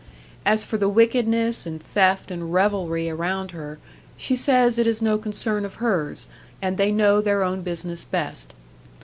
As for the wickedness, and theft, and revelry around her, she says it is no concern of hers, and they know their own business best.